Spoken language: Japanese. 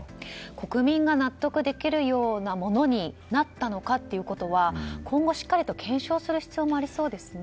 国民が納得できるようなものになったのかということは今後、しっかりと検証する必要がありそうですよね。